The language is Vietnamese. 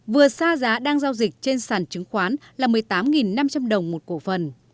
vừa xa giá đang giao dịch trên sàn chứng khoán là một mươi tám năm trăm linh đồng một cổ phần